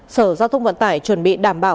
sở giao thông vận tải chuẩn bị đảm bảo